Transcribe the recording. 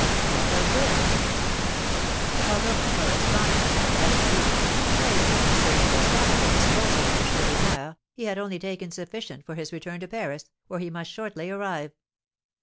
"What a whim!" "Although my correspondent had, as agreed, placed a considerable sum at the disposal of the Chourineur, he had only taken sufficient for his return to Paris, where he must shortly arrive."